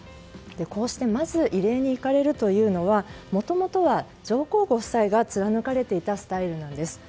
こうして、まず慰霊に行かれるというのはもともとは上皇ご夫妻が貫かれていたスタイルなんです。